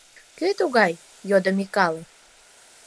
— Кӧ тугай? — йодо Микале.